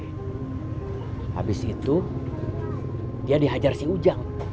habis itu dia dihajar si ujang